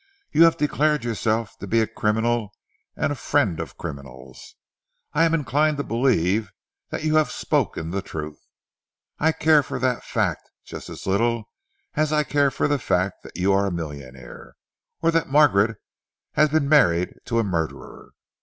"You have declared yourself to be a criminal and a friend of criminals. I am inclined to believe that you have spoken the truth. I care for that fact just as little as I care for the fact that you are a millionaire, or that Margaret has been married to a murderer.